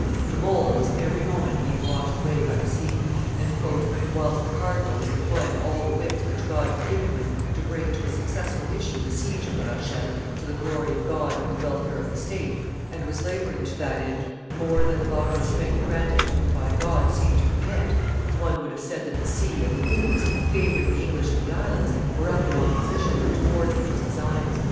The mole was every moment being washed away by the sea; and, "whilst the cardinal was employing all the wits which God had given him to bring to a successful issue the siege of La Rochelle to the glory of God and the welfare of the state, and was laboring to that end more than the bodily strength granted to him by God seemed to permit, one would have said that the sea and the winds, favoring the English and the islands, were up in opposition and thwarting his designs."